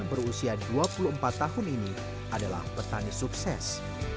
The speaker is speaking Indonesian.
berusia dua puluh empat tahun ini adalah petani sukses